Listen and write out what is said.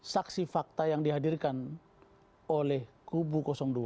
saksi fakta yang dihadirkan oleh kubu dua